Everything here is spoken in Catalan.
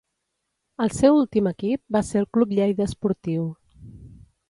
El seu últim equip va ser el Club Lleida Esportiu.